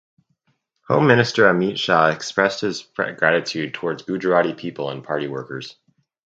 Home Minister Amit Shah expressed his gratitude towards Gujarati people and party workers.